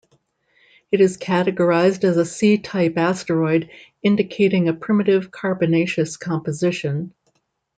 It is categorized as a C-type asteroid, indicating a primitive carbonaceous composition.